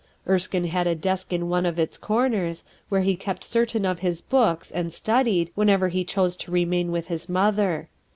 Erskine had a desk in one of its corners, where he kept certain of his books, and studied, whenever he chose to remain with his mother.